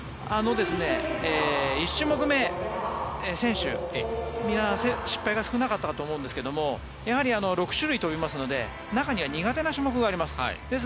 １種目目、選手失敗が少なかったと思うんですがやはり６種類飛びますので中には苦手なものがあります。